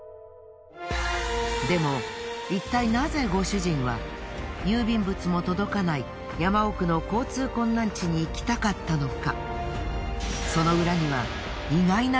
でもいったいナゼご主人は郵便物も届かない山奥の交通困難地に行きたかったのか？